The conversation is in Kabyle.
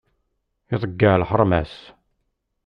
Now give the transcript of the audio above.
Iḍeyyeε lḥerma-s.